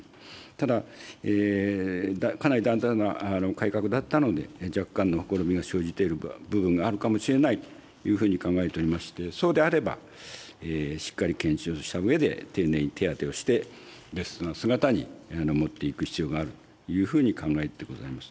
ただ、かなり大胆な改革だったので、若干のほころびが生じている部分があるかもしれないというふうに考えておりまして、そうであれば、しっかり検証したうえで、丁寧に手当てをして、ベストな姿に持っていく必要があるというふうに考えてございます。